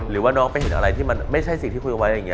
หรือว่าน้องไปเห็นอะไรที่มันไม่ใช่สิ่งที่คุยไว้อะไรอย่างนี้